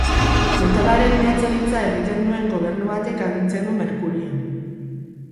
Metalaren meatzaritza egiten duen gobernu batek agintzen du Merkurion.